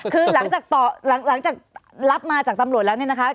คือหลังจากรับมาจากตำรวจแล้วนี่นะคะ